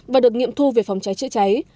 và được nghiệm thu về phòng trái chữa cháy